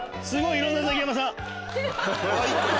いろんなザキヤマさん！